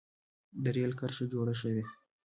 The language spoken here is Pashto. د رېل کرښه جوړه شوه.